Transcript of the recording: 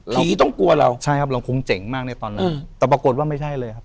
ผีต้องกลัวเราใช่ครับเราคงเจ๋งมากในตอนนั้นแต่ปรากฏว่าไม่ใช่เลยครับ